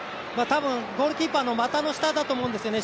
ゴールキーパーの股の下だと思うんですよね